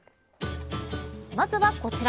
まずはこちら。